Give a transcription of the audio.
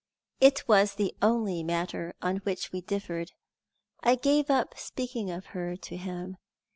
It was the only matter on which we differed. I gave up speaking of her to him.